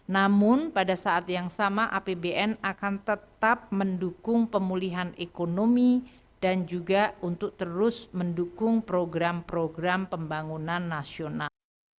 namun pada saat yang sama apbn akan tetap mendukung pemulihan ekonomi dan juga untuk terus mendukung program program pembangunan nasional